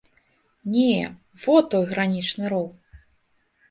Не, во той гранічны роў.